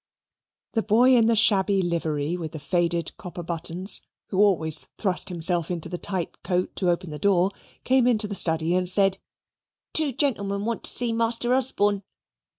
The boy in the shabby livery with the faded copper buttons, who always thrust himself into the tight coat to open the door, came into the study and said, "Two gentlemen want to see Master Osborne."